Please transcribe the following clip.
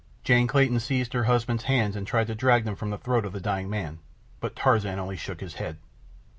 Jane Clayton seized her husband's hands and tried to drag them from the throat of the dying man; but Tarzan only shook his head.